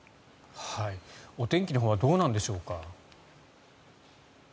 お天気のほうはどうなんでしょうか。